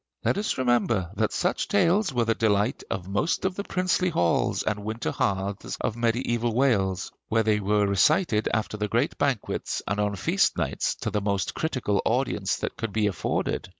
Let us remember that such tales were the delight of most of the princely halls and winter hearths of mediæval Wales, where they were recited after the great banquets and on feast nights to the most critical audience that could be afforded.